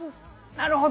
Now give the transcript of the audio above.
なるほど。